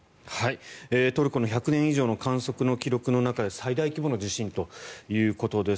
トルコの１００年以上の観測の記録の中で最大規模の地震ということです。